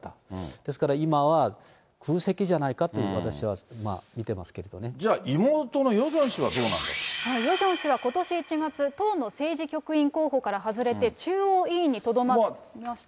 ですから今は、空席じゃないかと、じゃあ、妹のヨジョン氏はどヨジョン氏はことし１月、党の政治局員候補から外れて、中央委員にとどまりました。